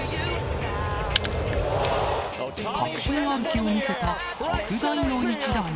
確信歩きを見せた特大の一打に。